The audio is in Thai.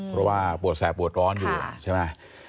เพราะว่าปวดแสบปวดร้อนอยู่ใช่ไหม